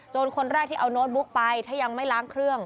คนแรกที่เอาโน้ตบุ๊กไปถ้ายังไม่ล้างเครื่อง